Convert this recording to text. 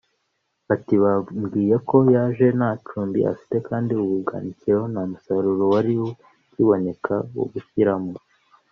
Ati “Bambwiye ko yaje nta cumbi afite kandi ubu bwanikiro nta musaruro wari ukiboneka wo gushyiramo